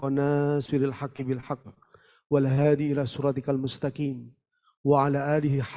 dengan pelindung itu kita berniatkan tertentu